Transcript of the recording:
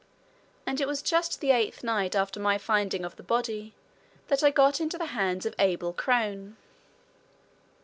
And it was just the eighth night after my finding of the body that I got into the hands of Abel Crone.